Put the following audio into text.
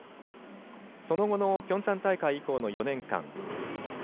その後のピョンチャン大会以降の４年間。